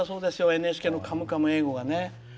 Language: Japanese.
ＮＨＫの「カムカム英語」が。